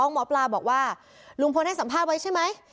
หมอปลาบอกว่าลุงพลให้สัมภาษณ์ไว้ใช่ไหม